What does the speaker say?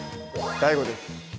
ＤＡＩＧＯです。